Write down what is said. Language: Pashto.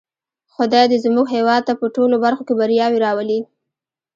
خدای دې زموږ هېواد ته په ټولو برخو کې بریاوې راولی.